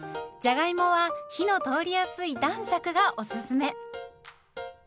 じゃがいもは火の通りやすい男爵がおすすめ。